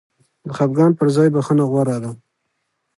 د خفګان پر ځای بخښنه غوره ده.